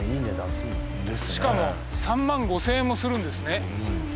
しかも３万５０００円もするんですね